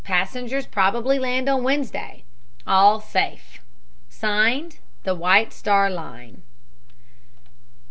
Passengers probably land on Wednesday. All safe. (Signed) "THE WHITE STAR LINE.